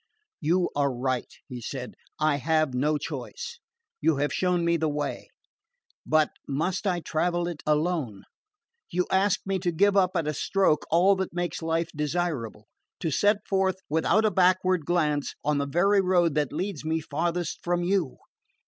"You are right," he said; "I have no choice. You have shown me the way; but must I travel it alone? You ask me to give up at a stroke all that makes life desirable: to set forth, without a backward glance, on the very road that leads me farthest from you!